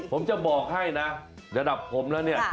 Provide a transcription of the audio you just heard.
ผมจะบอกให้นะระดับผมแล้วเนี่ย